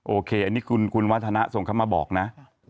โอเคอันนี้คุณวัฒนะส่งเข้ามาบอกนะ